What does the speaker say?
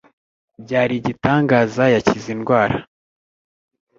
Byari igitangaza yakize indwara